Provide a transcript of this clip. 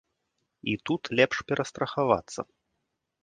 І тут лепш перастрахавацца.